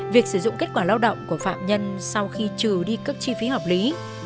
việc sử dụng kết quả lao động của phạm nhân sau khi trừ đi các chi phí hợp lý